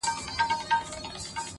اشنـا په دې چــلو دي وپوهـېدم _